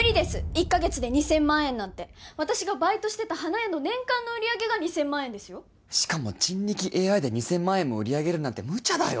１か月で２０００万円なんて私がバイトしてた花屋の年間の売上が２０００万円ですよしかも人力ＡＩで２０００万円も売り上げるなんてむちゃだよ